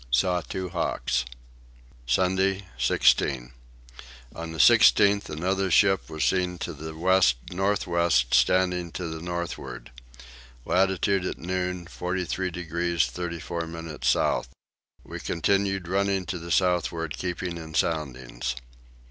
Saw two hawks. Sunday 16. On the 16th another ship was seen to the west north west standing to the northward. Latitude at noon 43 degrees 34 minutes south. We continued running to the southward keeping in soundings.